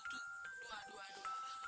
kak tiba dua dua